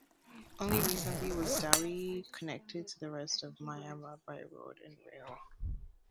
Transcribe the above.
Only recently was Dawei connected to the rest of Myanmar by road and rail.